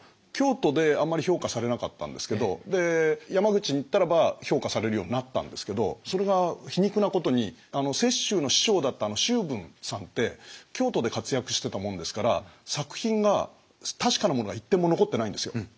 京都であんまり評価されなかったんですけど山口に行ったらば評価されるようになったんですけどそれが皮肉なことに雪舟の師匠だった周文さんって京都で活躍してたもんですから作品が確かなものが一点も残ってないんですよ